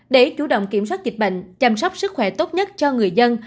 để chủ động kiểm soát dịch bệnh chăm sóc sức khỏe tốt nhất cho người dân